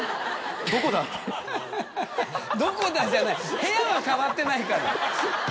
どこだ⁉じゃない部屋は変わってないから。